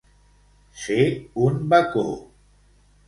Ser un bacó.